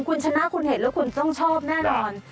คุณชนะคุณเห็นแล้วคุณต้องชอบแน่นอน